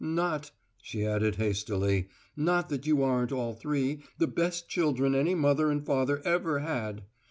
Not," she added hastily, "not that you aren't all three the best children any mother and father ever had!